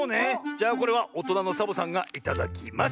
じゃあこれはおとなのサボさんがいただきます。